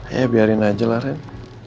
ya biarin aja lah ren